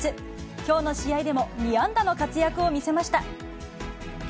きょうの試合でも、２安打の活躍を見せました。